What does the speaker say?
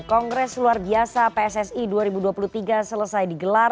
kongres luar biasa pssi dua ribu dua puluh tiga selesai digelar